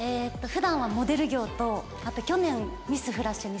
普段はモデル業とあと去年ミス